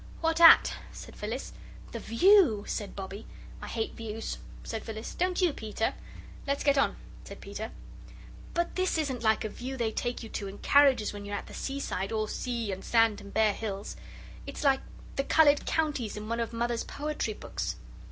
"What at?" said Phyllis. "The view," said Bobbie. "I hate views," said Phyllis, "don't you, Peter?" "Let's get on," said Peter. "But this isn't like a view they take you to in carriages when you're at the seaside, all sea and sand and bare hills. It's like the 'coloured counties' in one of Mother's poetry books."